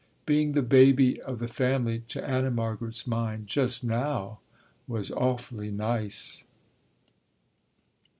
Being the baby of the family to Anna Margaret's mind, just now, was awfully nice.